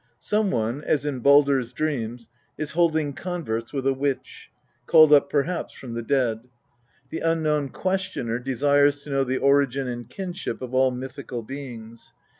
Someone, as in Baldr's Dreams, is holding converse with a witch, called up perhaps from the dead. The unknown questioner desires to know the origin and kinship of all mythical beings.